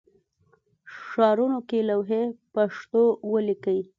ښارونو کې لوحې پښتو ولیکئ